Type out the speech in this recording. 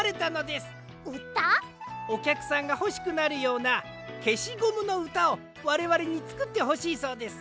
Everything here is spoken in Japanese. おきゃくさんがほしくなるような「消しゴムの歌」をわれわれにつくってほしいそうです。